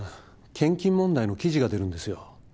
献金問題の記事が出るんですよ。